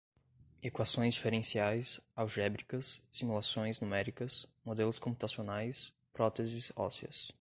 Equações diferenciais, algébricas, simulações numéricas, modelos computacionais, próteses ósseas